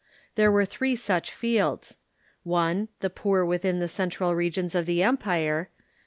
Ihere were three such fields: 1. The poor within the central regions of the empire; 2.